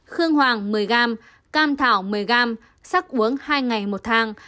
khương hoàng một mươi g cam thảo một mươi g sắc uống hai ngày một thang